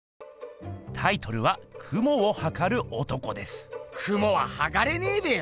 タイトルは雲は測れねえべよ！